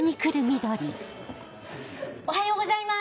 おはようございます！